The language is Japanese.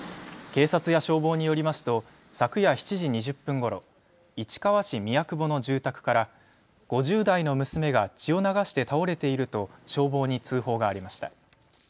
警察や消防によりますと昨夜７時２０分ごろ、市川市宮久保の住宅から５０代の娘が血を流して倒れていると消防に通報がありました。